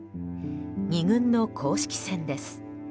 ２軍の公式戦です。